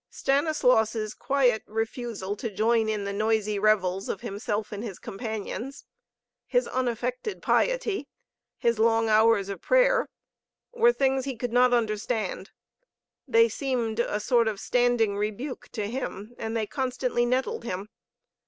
Stanislaus' quiet refusal to join in the noisy revels of himself and his companions, his unaffected piety, his long hours of prayer, were things he could not understand. They seemed a sort of standing rebuke to him, and they constantly nettled him.